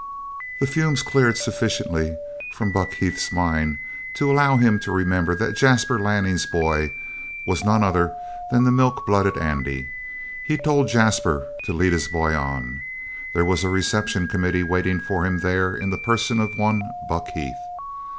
The fumes cleared sufficiently from Buck Heath's mind to allow him to remember that Jasper Lanning's boy was no other than the milk blooded Andy. He told Jasper to lead his boy on. There was a reception committee waiting for him there in the person of one Buck Heath.